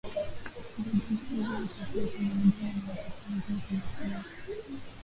Vidonda hivyo hutokea kwenye mdomo na wakati mwingine kwenye pua